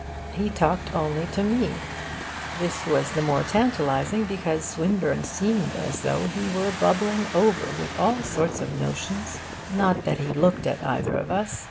He talked only to me. This was the more tantalising because Swinburne seemed as though he were bubbling over with all sorts of notions. Not that he looked at either of us.